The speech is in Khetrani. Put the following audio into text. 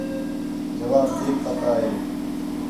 جواب کیک پتا ہے